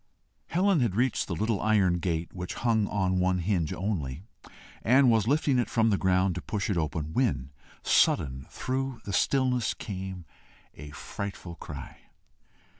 She had reached the little iron gate, which hung on one hinge only, and was lifting it from the ground to push it open, when sudden through the stillness came a frightful cry.